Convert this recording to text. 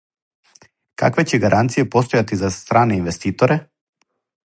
Какве ће гаранције постојати за стране инвеститоре?